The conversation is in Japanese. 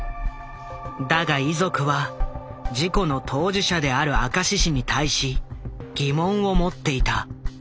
だが遺族は事故の当事者である明石市に対し疑問を持っていた。